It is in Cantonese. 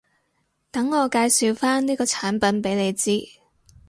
等我介紹返呢個產品畀你知